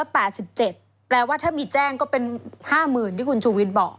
แปลว่าถ้ามีแจ้งก็เป็น๕๐๐๐ที่คุณชูวิทย์บอก